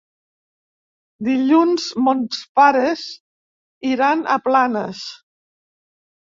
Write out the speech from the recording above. Dilluns mons pares iran a Planes.